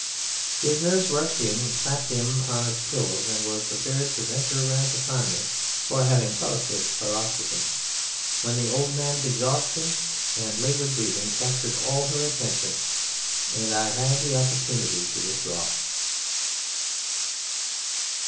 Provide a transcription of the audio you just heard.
His nurse rushed in, clapped him upon his pillows, and was prepared to vent her wrath upon me for having caused this paroxysm, when the old man's exhaustion and laboured breathing captured all her attention, and I had the opportunity to withdraw.